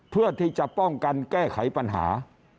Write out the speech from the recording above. เพื่อที่จะป้องกันแก้ไขปัญหา